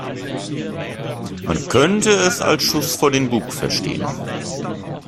Man könnte es als Schuss vor den Bug verstehen.